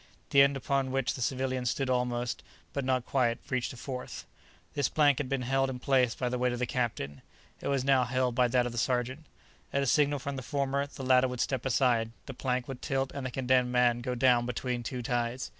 The end upon which the civilian stood almost, but not quite, reached a fourth. This plank had been held in place by the weight of the captain; it was now held by that of the sergeant. At a signal from the former the latter would step aside, the plank would tilt and the condemned man go down between two ties.